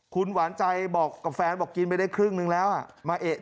คุณหวานใจบอกกับแฟนบอกกินไปได้ครึ่งนึงแล้วมาเอ๊ะ